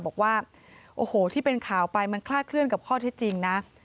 บอกว่าโอ้โหที่เป็นข่าวไปมันคลาดเคลื่อนกับข้อที่จริงนะ